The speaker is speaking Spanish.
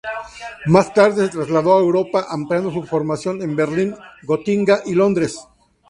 Más tarde se trasladó a Europa, ampliando su formación en Berlín, Gotinga y Londres.